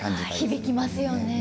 響きますよね。